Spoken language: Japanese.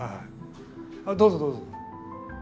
どうぞどうぞ。